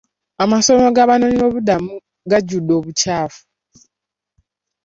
Amasomero g'abanoonyiboobubudamu gajjudde obukyafu.